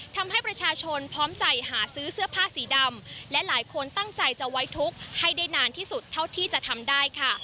ทำให้ประชาชนพร้อมใจหาซื้อเสื้อผ้าสีดำและหลายคนตั้งใจจะไว้ทุกข์ให้ได้นานที่สุดเท่าที่จะทำได้ค่ะ